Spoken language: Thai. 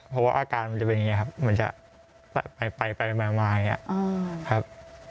เพราะว่าอาการมันจะเป็นอย่างนี้ครับมันจะไปมาอย่างนี้ครับ